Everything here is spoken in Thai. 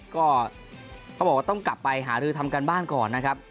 ก็ต้องกลับไปหารือทำการบ้านก่อนนะครับ